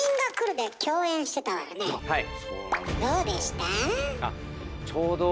どうでした？